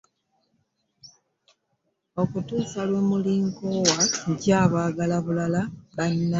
Okutuusa lwemulinkowa nkyabagabula banange .